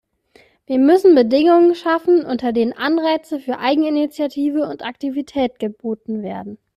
Wir müssen Bedingungen schaffen, unter denen Anreize für Eigeninitiative und Aktivität geboten werden.